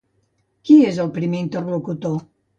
Qui és el primer interlocutor?